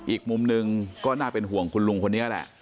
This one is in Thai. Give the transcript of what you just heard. อีกมุมหนึ่งก็น่าเป็นห่วงคุณลุงคนนี้แหละ